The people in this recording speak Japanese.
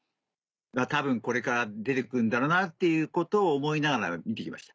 多分これから出て来るんだろうなっていうことを思いながら見てました。